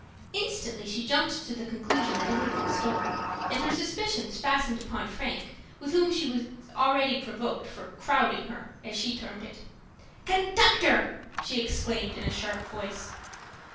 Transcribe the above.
Instantly she jumped to the conclusion that it had been stolen, and her suspicions fastened upon Frank, with whom she was already provoked for "crowding her," as she termed it. "Conductor!" she exclaimed in a sharp voice.